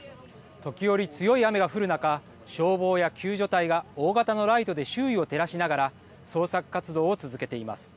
時折強い雨が降る中、消防や救助隊が大型のライトで周囲を照らしながら捜索活動を続けています。